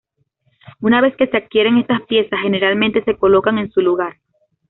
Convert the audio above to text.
Una vez que se adquieren estas piezas, generalmente se colocan en su lugar.